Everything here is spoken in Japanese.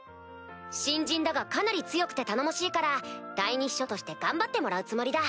新人だがかなり強くて頼もしいから第二秘書として頑張ってもらうつもりだ。